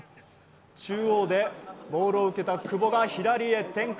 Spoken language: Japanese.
中央でボールを受けた久保が左へ展開。